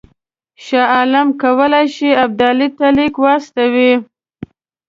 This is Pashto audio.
شاه عالم کولای شي ابدالي ته لیک واستوي.